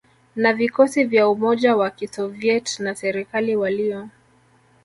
na vikosi vya umoja wa Kisoviet na serikali waliyo